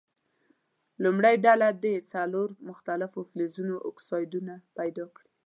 لومړۍ ډله دې څلور مختلفو فلزونو اکسایدونه پیداکړي.